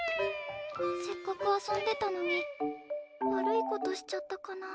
せっかく遊んでたのに悪いことしちゃったかな。